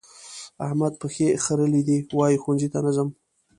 احمد پښې خرلې دي؛ وايي ښوونځي ته نه ځم.